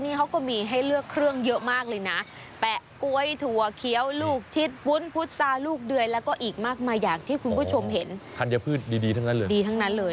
ดีทั้งนั้นเลยดีทั้งนั้นเลย